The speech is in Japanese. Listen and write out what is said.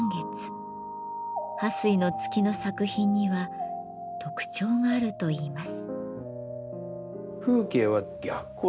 巴水の月の作品には特徴があるといいます。